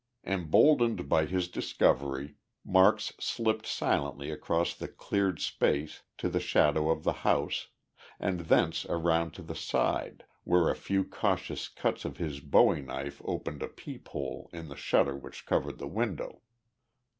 Emboldened by his discovery, Marks slipped silently across the cleared space to the shadow of the house, and thence around to the side, where a few cautious cuts of his bowie knife opened a peep hole in the shutter which covered the window.